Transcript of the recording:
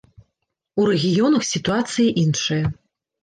У рэгіёнах сітуацыя іншая.